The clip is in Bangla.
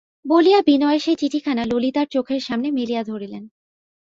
বলিয়া বিনয়ের সেই চিঠিখানা ললিতার চোখের সামনে মেলিয়া ধরিলেন।